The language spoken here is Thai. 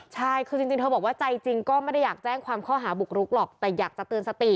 ใช่คือจริงเธอบอกว่าใจจริงก็ไม่ได้อยากแจ้งความข้อหาบุกรุกหรอกแต่อยากจะเตือนสติ